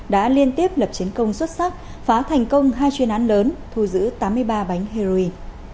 đã liên tiếp lập chiến công xuất sắc phá thành công hai chuyên án lớn thu giữ tám mươi ba bánh heroin